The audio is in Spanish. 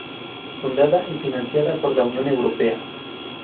Fundada y financiada por la Unión Europea.